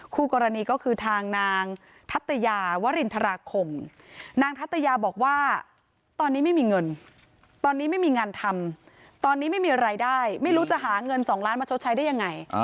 คู่กรณีก็คือทางนางทัตยาวรินทราคมนางทัตยาบอกว่าตอนนี้ไม่มีเงินตอนนี้ไม่มีงานทำตอนนี้ไม่มีรายได้ไม่รู้จะหาเงิน๒ล้านมาชดใช้ได้ยังไง